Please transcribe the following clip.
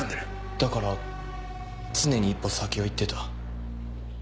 だから常に一歩先を行っていた。